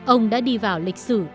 ông đã đi vào lịch sử